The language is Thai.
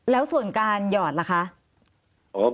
แล้วส่วนการหยอดล่ะคะ